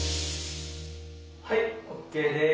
はいＯＫです。